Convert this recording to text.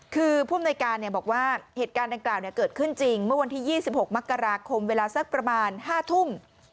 คือผู้อำนวยการบอกว่าเหตุการณ์ดังกล่าวเกิดขึ้นจริงเมื่อวันที่๒๖มกราคมเวลาสักประมาณ๕ทุ่ม